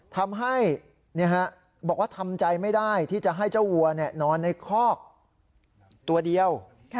ทำให้บอกว่าทำใจไม่ได้ที่จะให้เจ้าวัวนอนในคอกตัวเดียว